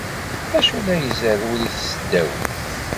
D acu ay la izerrew deg tesdawit?